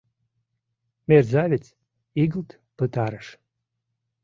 Мерзавец!.. — игылт пытарыш.